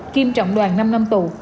kim trọng đoàn năm năm tù